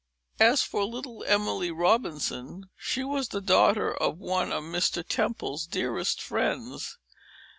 As for little Emily Robinson, she was the daughter of one of Mr. Temple's dearest friends.